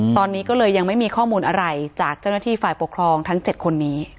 ตอนนี้ก็เลยยังไม่มีข้อมูลอะไรจากเจ้าหน้าที่ฝ่ายปกครองทั้ง๗คนนี้